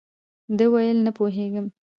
ده ویل، نه پوهېږم.